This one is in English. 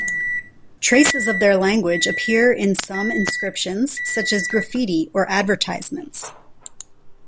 Traces of their language appear in some inscriptions, such as graffiti or advertisements.